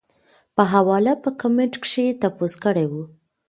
پۀ حواله پۀ کمنټ کښې تپوس کړے وۀ -